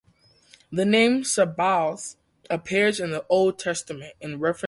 The name "Sabaoth" appears in the Old Testament in reference to an army.